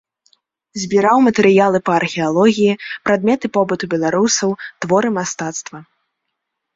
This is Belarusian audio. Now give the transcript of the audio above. Збіраў матэрыялы па археалогіі, прадметы побыту беларусаў, творы мастацтва.